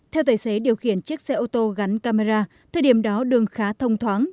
theo tài xế điều khiển chiếc xe ô tô gắn camera thời điểm đó đường khá thông thoáng